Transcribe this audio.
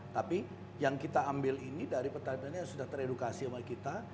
tapi yang kita ambil ini dari petani yang sudah teredukasi sama kita